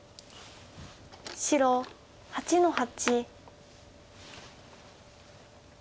白８の八。